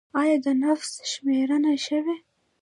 آیا د نفوس شمېرنه شوې؟